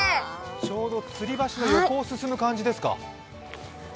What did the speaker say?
ちょうど、つり橋の横を進む感じですか？